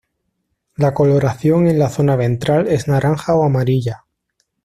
La coloración en la zona ventral es naranja o amarilla.